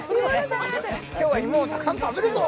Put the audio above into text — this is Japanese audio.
今日は芋をたくさん食べるぞ！